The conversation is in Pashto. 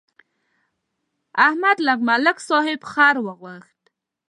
احمد له ملک صاحب خر وغوښت.